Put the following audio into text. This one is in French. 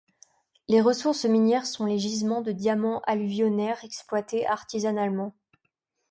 Les ressources minières sont les gisements de diamants alluvionnaires exploités artisanalement.